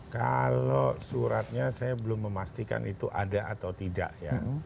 kalau suratnya saya belum memastikan itu ada atau tidak ya